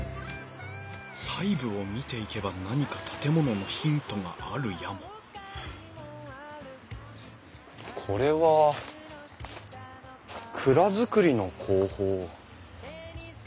細部を見ていけば何か建物のヒントがあるやもこれは蔵造りの工法。